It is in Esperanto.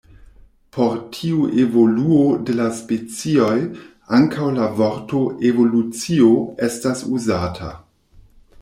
Por tiu evoluo de la specioj ankaŭ la vorto "evolucio" estas uzata.